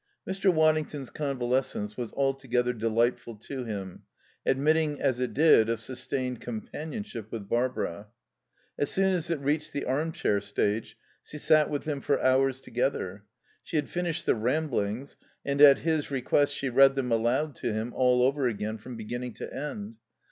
Mr. Waddington's convalescence was altogether delightful to him, admitting, as it did, of sustained companionship with Barbara. As soon as it reached the armchair stage she sat with him for hours together. She had finished the Ramblings, and at his request she read them aloud to him all over again from beginning to end.